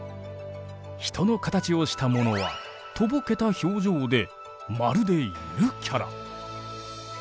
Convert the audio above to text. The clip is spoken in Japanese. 人の形をしたものはとぼけた表情でまるでゆるキャラ。